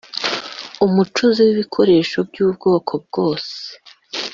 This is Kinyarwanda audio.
umucuzi w ibikoresho by ubwoko bwose